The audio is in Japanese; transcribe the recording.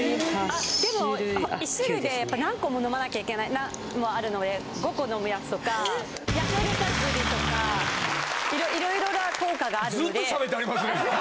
でも１種類で何個も飲まなきゃいけないのもあるんで５個飲むやつとか痩せるサプリとか色々な効果があるので。